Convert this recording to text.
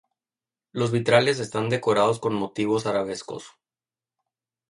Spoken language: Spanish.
Los vitrales están decorados con motivos arabescos.